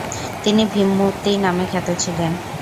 তিনি 'ভীমমূর্তী' নামে খ্যাত ছিলেন।